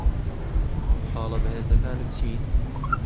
خاڵە بەهێزەکانت چین؟